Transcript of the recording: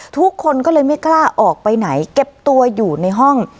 ทุกคนก็เลยไม่กล้าออกไปไหนเก็บตัวอยู่ในห้อง